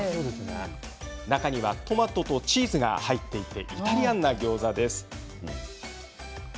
中にはトマトとチーズが入っていてイタリアンなギョーザです。